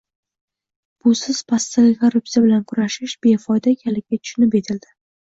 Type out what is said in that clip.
Busiz pastdagi korrupsiya bilan kurashish befoyda ekanligi tushunib yetildi.